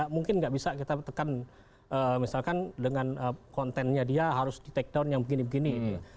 mungkin nggak bisa kita tekan misalkan dengan kontennya dia harus di take down yang begini begini gitu